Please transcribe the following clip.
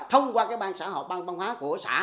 thông qua ban xã họp ban văn hóa của xã